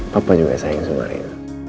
papa juga sayang sumaria